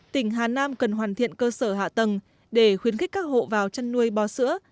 tỉnh hà nam cần hoàn thiện cơ sở hạ tầng để khuyến khích các hộ vào chăn nuôi bò sữa